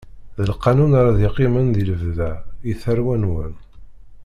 D lqanun ara d-iqqimen i lebda, i tarwa-nwen.